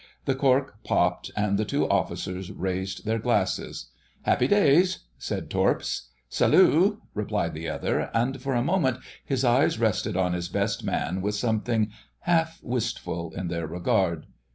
The cork popped and the two officers raised their glasses— "Happy days!" said Torps. "Salue!" replied the other, and for a moment his eyes rested on his Best Man with something half wistful in their regard.